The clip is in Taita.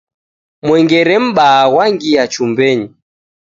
Mwengere mbaha ghwangia chumbenyi.